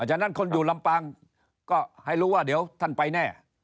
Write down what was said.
ฉะนั้นคนอยู่ลำปางก็ให้รู้ว่าเดี๋ยวท่านไปแน่